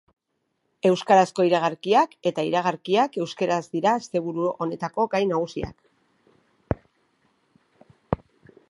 Euskarazko iragarkiak eta iragarkiak euskaraz dira asteburu honetako gai nagusiak.